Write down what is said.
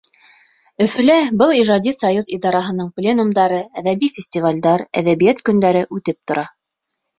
— Өфөлә был ижади союз идараһының пленумдары, әҙәби фестивалдәр, әҙәбиәт көндәре үтеп тора.